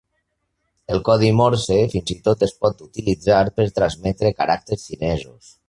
El codi Morse fins i tot es pot utilitzar per transmetre caràcters xinesos.